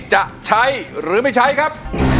จะใช้หรือไม่ใช้ครับ